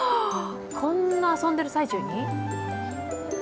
こんな遊んでいる最中に？